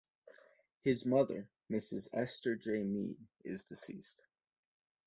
His mother, Mrs. Esther J. Meade, is deceased.